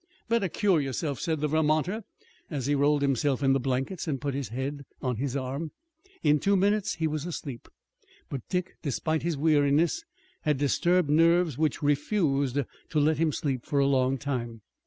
"Better cure yourself," said the Vermonter, as he rolled himself in the blankets and put his head on his arm. In two minutes he was asleep, but Dick, despite his weariness, had disturbed nerves which refused to let him sleep for a long time.